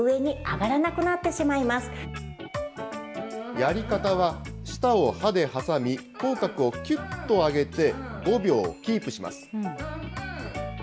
やり方は、舌を歯で挟み、口角をきゅっと上げて、５秒キープします。